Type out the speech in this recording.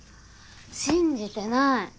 信じてない。